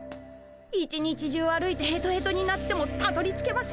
一日中歩いてヘトヘトになってもたどりつけません。